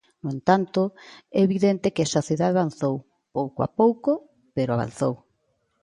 No entanto, é evidente que a sociedade avanzou, pouco a pouco, pero avanzou.